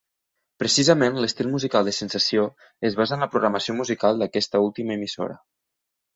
Precisament l'estil musical de Sensació es basa en la programació musical d'aquesta última emissora.